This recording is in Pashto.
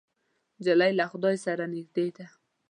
نجلۍ له خدای سره نږدې ده.